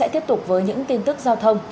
tiếp tục với những tin tức giao thông